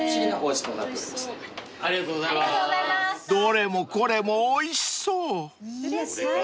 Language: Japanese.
［どれもこれもおいしそう］